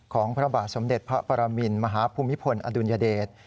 พระบาทสมเด็จพระปรมินมหาภูมิพลอดุลยเดช